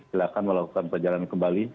silahkan melakukan perjalanan kembali